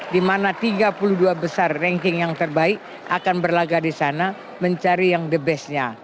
di mana tiga puluh dua besar ranking yang terbaik akan berlagak di sana mencari yang the best nya